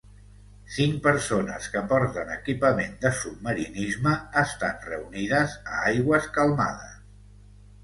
Cinc persones que porten equipament de submarinisme estan reunides a aigües calmades.